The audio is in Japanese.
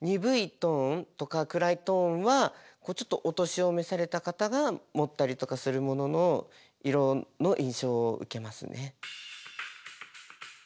トーンとかくらいトーンはちょっとお年を召された方が持ったりとかするモノの色の印象を受けますね。